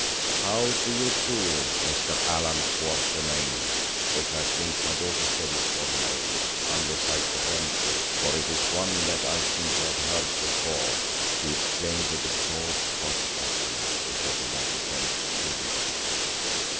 "How do you do, Mr. Allan Quatermain, which I think my daughter said is your name, unless I dreamed it, for it is one that I seem to have heard before," he exclaimed with a broad Scotch accent which I do not attempt to reproduce.